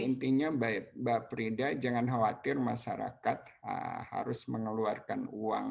jadi intinya mbak prida jangan khawatir masyarakat harus mengeluarkan uang